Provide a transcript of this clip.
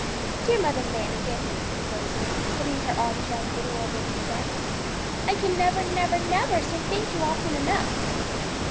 'Dear Mother Manikin,' said Rosalie, putting her arms round the little old woman's neck, 'I can never, never, never say thank you often enough.'